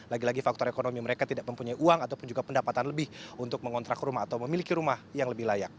lagi lagi faktor ekonomi mereka tidak mempunyai uang ataupun juga pendapatan lebih untuk mengontrak rumah atau memiliki rumah yang lebih layak